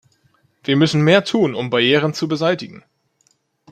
Wir müssen mehr tun, um Barrieren zu beseitigen.